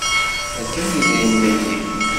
Rkan yidrimen-nni.